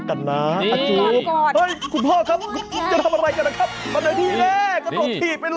โอ้โฮ